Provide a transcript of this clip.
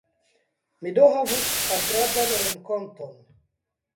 Mi do havus agrablan renkonton!